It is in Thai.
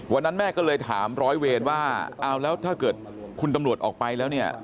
แม่ก็เลยถามร้อยเวรว่าเอาแล้วถ้าเกิดคุณตำรวจออกไปแล้วเนี่ย